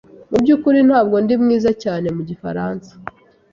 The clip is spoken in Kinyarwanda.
Mubyukuri ntabwo ndi mwiza cyane mu gifaransa.